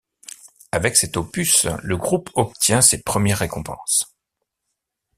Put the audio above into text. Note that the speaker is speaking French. Avec cet opus, le groupe obtient ses premières récompenses.